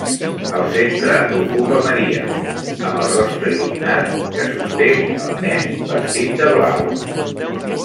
El centre l'ocupa Maria, amb el rostre il·luminat, que sosté el nen, vestit de blau.